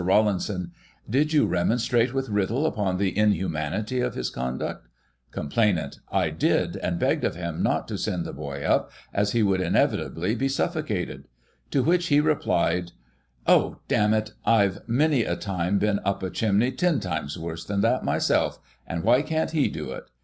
Rawlinson: Did you remonstrate with Riddle upon the inhumanity of his conduct ? Complainant: I did, and begged of him not to send the boy up, as he would, inevitably, be suffocated ; to which he rephed, " Oh, d n it, Tve many a time been up a chimney ten times worse than that, myself, and why can't he do it